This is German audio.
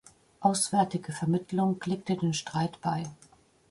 Auswärtige Vermittlung legte den Streit bei.